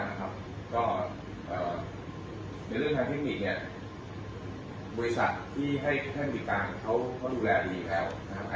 ในเรื่องการเทคนิคเเลี่ยบริษัทให้เขาดูแลดีค่ะ